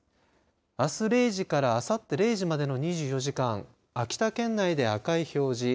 あす０時からあさって０時までの２４時間秋田県内で赤い表示。